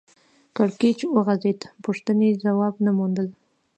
کړکېچ وغځېد پوښتنې ځواب نه موندل